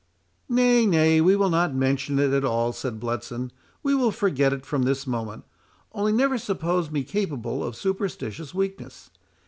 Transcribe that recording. "Nay, nay, we will not mention it at all," said Bletson, "we will forget it from this moment. Only, never suppose me capable of superstitious weakness.